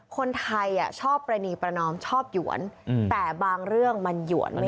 คนไทยอ่ะชอบประณีประนอมชอบหยวนอืมแต่บางเรื่องมันหยวนไม่ได้